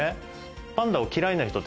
パンダを嫌いな人って